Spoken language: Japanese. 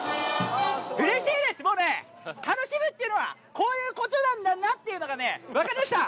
うれしいです、もうね、楽しむっていうのは、こういうことなんだなっていうのがね、分かりました。